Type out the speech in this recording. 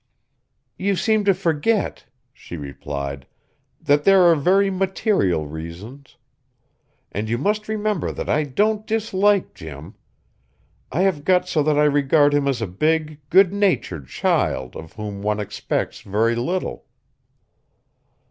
"You seem to forget," she replied, "that there are very material reasons! And you must remember that I don't dislike Jim. I have got so that I regard him as a big, good natured child of whom one expects very little."